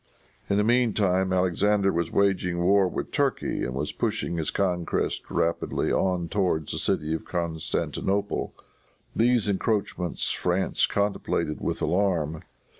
In the mean time Alexander was waging war with Turkey, and was pushing his conquests rapidly on towards the city of Constantine. These encroachments France contemplated with alarm.